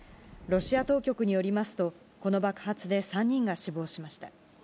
ロシア当局によりますと、この爆発で３人が死亡しました。